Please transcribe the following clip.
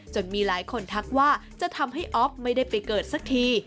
มีหลายคนทักว่าจะทำให้อ๊อฟไม่ได้ไปเกิดสักที